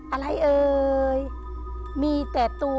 อะไรเอ่ยมีแต่ตัว